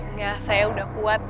nggak saya udah kuat